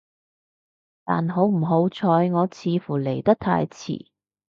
但好唔好彩，我似乎嚟得太遲